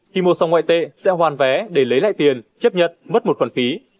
khi mua xong ngoại tệ sẽ hoàn vé để lấy lại tiền chấp nhận mất một khoản phí